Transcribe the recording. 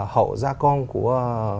hậu gia công của